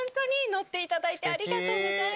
ノッていただいてありがとうございます。